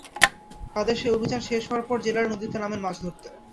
তাঁদের সেই অভিযান শেষ হওয়ার পর জেলেরা নদীতে নামেন মাছ ধরতে।